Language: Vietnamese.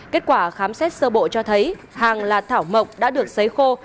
kết quả khám xét sơ bộ cho thấy hàng là thảo mộc đã được xấy khô